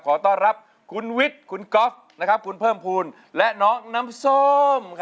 ขอต้อนรับคุณวิทย์คุณก๊อฟคุณเพิ่มภูมิและน้องน้ำส้ม